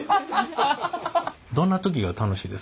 どんな時が楽しいですか？